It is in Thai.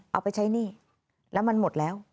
เอาไปใช้หนี้แล้วมันหมดแล้ว